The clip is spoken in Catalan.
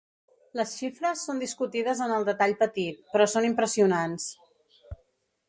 Les xifres són discutides en el detall petit, però són impressionants.